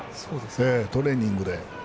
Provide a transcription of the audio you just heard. トレーニングで。